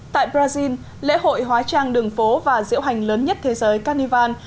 tại brazil lễ hội hóa trang đường phố và diễu hành lớn nhất thế giới carnival